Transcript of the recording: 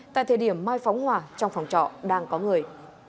tại thời điểm mai phóng hỏa trong phòng trọ đang có người